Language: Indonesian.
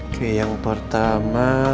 oke yang pertama